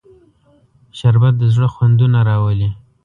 شربت د زړه خوندونه راولي